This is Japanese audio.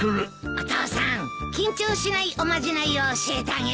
お父さん緊張しないおまじないを教えてあげる。